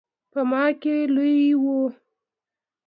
په ما کې لوی و.